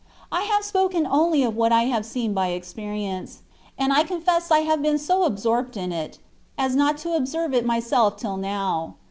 I have spoken only of what I have seen by experience; and I confess I have been so absorpt in it, as not to observe it myself till now.